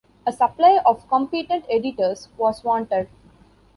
A supply of competent editors was wanted.